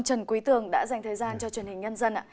trần quý tường đã dành thời gian cho truyền hình nhân dân ạ